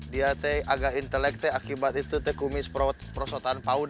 dia teh agak intelek teh akibat itu teh kumis prosotan faun